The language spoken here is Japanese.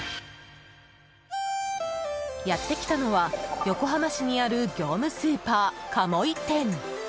やってきたのは、横浜市にある業務スーパー鴨居店。